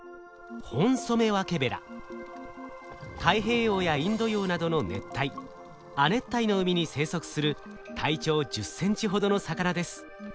太平洋やインド洋などの熱帯亜熱帯の海に生息する体長１０センチほどの魚です。